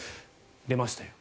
出ましたよ。